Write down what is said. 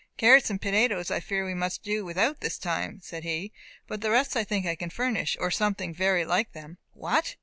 "Carrots and potatoes I fear we must do without at this time," said he, "but the rest I think I can furnish, or something very like them." "What!